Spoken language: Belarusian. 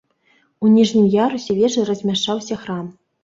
У ніжнім ярусе вежы размяшчаўся храм.